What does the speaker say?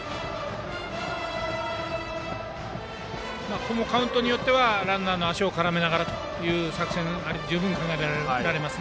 ここもカウントによってはランナーの足を絡めながらの作戦も十分考えられます。